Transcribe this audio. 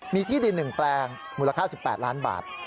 มีที่ดิน๑แปลงมูลค่า๑๘ล้านบาท